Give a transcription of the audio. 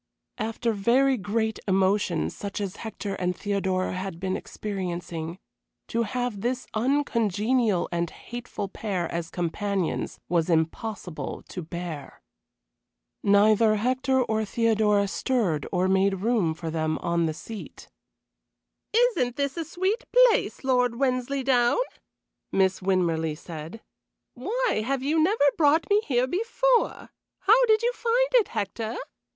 After very great emotion such as Hector and Theodora had been experiencing, to have this uncongenial and hateful pair as companions was impossible to bear. Neither Hector or Theodora stirred or made room for them on the seat. "Isn't this a sweet place, Lord Wensleydown?" Miss Winmarleigh said. "Why have you never brought me here before? How did you find it, Hector?"